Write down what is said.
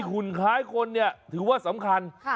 หุ่นคล้ายคนเนี่ยถือว่าสำคัญ